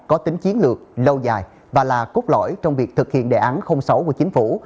có tính chiến lược lâu dài và là cốt lõi trong việc thực hiện đề án sáu của chính phủ